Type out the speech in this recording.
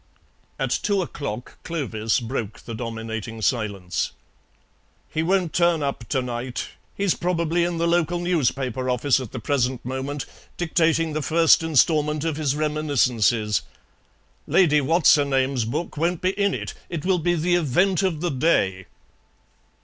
At two o'clock Clovis broke the dominating silence. "He won't turn up to night. He's probably in the local newspaper office at the present moment, dictating the first instalment of his reminiscences. Lady What's her name's book won't be in it. It will be the event of the day."